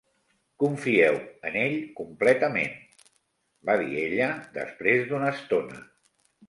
"Confieu en ell completament", va dir ella després d'una estona.